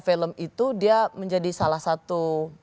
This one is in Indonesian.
film itu dia menjadi salah satu